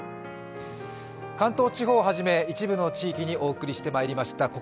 関東地方をはじめ一部の地域でお送りしてまいりました